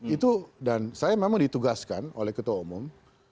itu dan saya memang ditugaskan oleh ketua umum